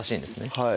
はい